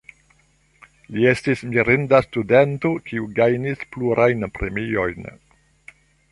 Li estis mirinda studento, kiu gajnis plurajn premiojn.